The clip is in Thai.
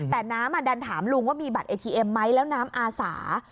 แต่น้ำดันถามลุงว่ามีบัตรเอทีเอ็มไหมแล้วน้ำอาสา